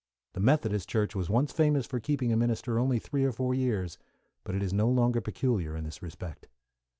The Methodist Church was once famous for keeping a minister only three or four years, but it is no longer peculiar in this respect.